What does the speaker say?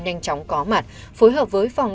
nhanh chóng có mặt phối hợp với phòng